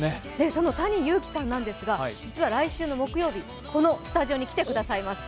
そのＴａｎｉＹｕｕｋｉさんなんですが、実は来週の木曜日、このスタジオに来てくださいます。